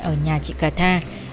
ở nhà chị cà tha